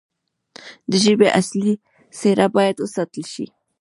د ژبې اصلي څیره باید وساتل شي.